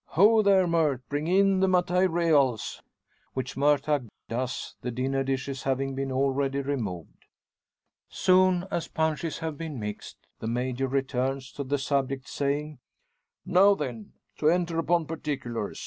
Ho! there, Murt! bring in the `matayreals.'" Which Murtagh does, the dinner dishes having been already removed. Soon as punches have been mixed, the Major returns to the subject, saying "Now then; to enter upon particulars.